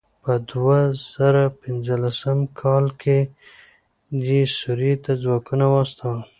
په دوه زره پنځلسم کال کې یې سوريې ته ځواکونه واستول.